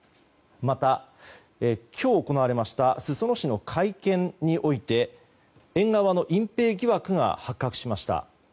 また、今日行われました裾野市の会見において縁側の隠ぺい疑惑が発覚しました。